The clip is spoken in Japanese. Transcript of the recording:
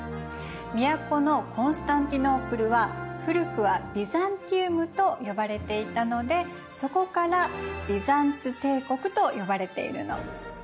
都のコンスタンティノープルは古くはビザンティウムと呼ばれていたのでそこからビザンツ帝国と呼ばれているの。